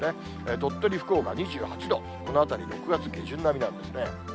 鳥取、福岡、２８度、このあたり６月下旬並みなんですね。